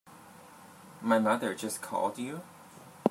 My mother just called you?